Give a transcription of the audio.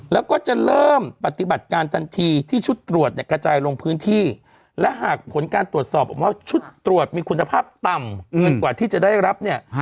แล้วก็จะเริ่มปฏิบัติการทันทีที่ชุดตรวจเนี่ยกระจายลงพื้นที่และหากผลการตรวจสอบออกมาว่าชุดตรวจมีคุณภาพต่ำเกินกว่าที่จะได้รับเนี่ย